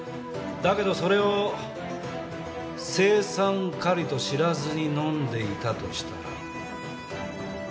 だけどそれを青酸カリと知らずに飲んでいたとしたら。